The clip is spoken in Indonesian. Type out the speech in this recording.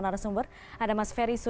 sebelum menunda kembali peper pasa